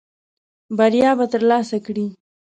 بریا به ترلاسه کړې .